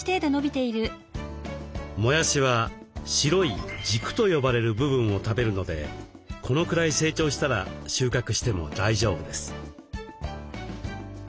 もやしは白い「軸」と呼ばれる部分を食べるのでこのくらい成長したら収穫しても大丈夫です。